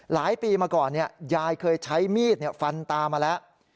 หลายปีมาก่อนยายเคยใช้มีดฟันตามาแล้ว